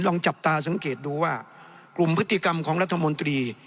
จับตาสังเกตดูว่ากลุ่มพฤติกรรมของรัฐมนตรี